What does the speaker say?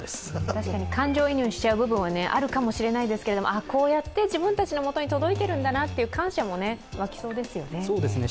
確かに感情移入しちゃう部分はあるかもしれませんけどこうやって自分たちのもとに届いているんだなという感謝も湧きそうですよね。